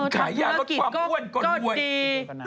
ขายยาลดความอ้วนก็รวยละกิจก็ดี